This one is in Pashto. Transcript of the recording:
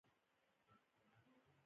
• لمر د ورځې د فعالیت لپاره حیاتي دی.